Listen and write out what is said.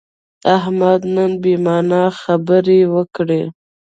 احمد نن بې معنا خبرې وکړې.